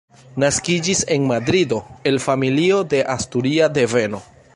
Naskiĝis en Madrido, el familio de asturia deveno.